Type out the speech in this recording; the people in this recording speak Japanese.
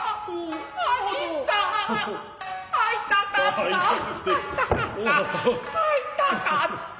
会いたかった会いたかった。